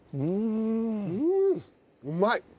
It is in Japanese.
うまい！